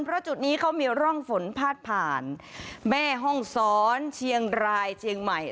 เพราะจุดนี้เขามีร่องฝนพาดผ่านแม่ห้องซ้อนเชียงรายเชียงใหม่